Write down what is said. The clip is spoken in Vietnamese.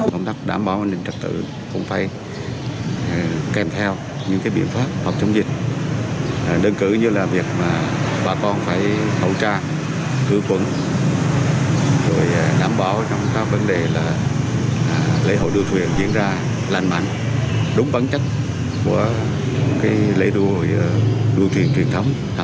công tác đảm bảo an ninh trật tự không phải kèm theo những biện pháp hoặc chống dịch